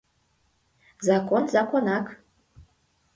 Закон законак.